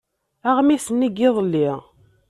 Aɣmis-nni n yiḍelli.